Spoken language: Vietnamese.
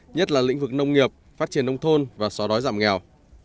nhất là lĩnh vực nông nghiệp phát triển nông thôn và xóa đói giảm nghèo